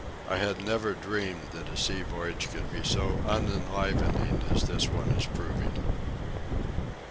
I had never dreamed that a sea voyage could be so unenlivening as this one is proving.